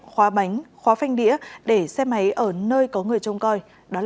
khóa bánh khóa phanh đĩa để xe máy ở nơi có người trông coi